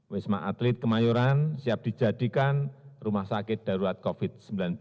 wisma atlet kemayoran siap dijadikan rumah sakit darurat covid sembilan belas